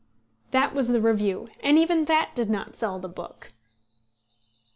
'" That was the review, and even that did not sell the book!